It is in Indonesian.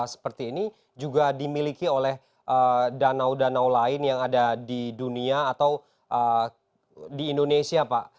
seperti ini juga dimiliki oleh danau danau lain yang ada di dunia atau di indonesia pak